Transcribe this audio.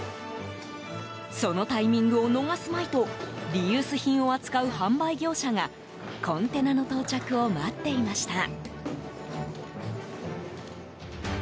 そのタイミングを逃すまいとリユース品を扱う販売業者がコンテナの到着を待っていました。